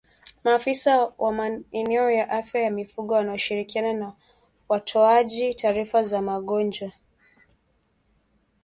maafisa wa maeneo ya afya ya mifugo wanaoshirikiana na watoaji taarifa za magonjwa